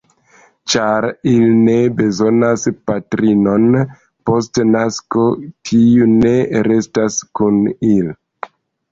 Ĉar ili ne bezonas patrinon post nasko, tiu ne restas kun ili.